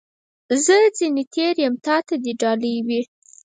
زه ځني تېر یم ، تا ته دي ډالۍ وي .